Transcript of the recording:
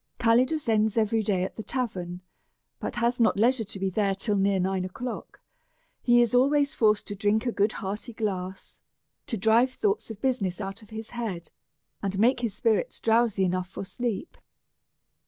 Calidus ends every day at the tavern, but has not leisure to be there till near nine o'clock. He is always forced to drink a good hearty glass, to drive thoughts of business out of his head, and make his spirits drowsy enough for sleep.